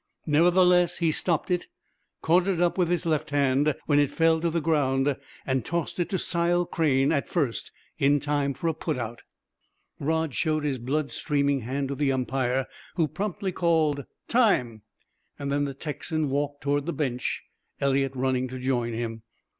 Nevertheless, he stopped it, caught it up with his left hand when it fell to the ground, and tossed it to Sile Crane at first in time for a put out. Rod showed his blood streaming hand to the umpire, who promptly called "time." Then the Texan walked toward the bench, Eliot running to join him.